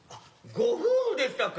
ご夫婦でしたか。